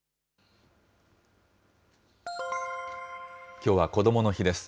きょうはこどもの日です。